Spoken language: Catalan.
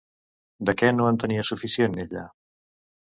De què no en tenia suficient, ella?